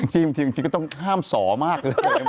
จริงก็ต้องห้ามสอมากเลย